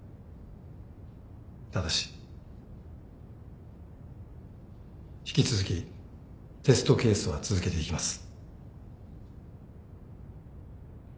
ただし引き続きテストケースは続けていきます。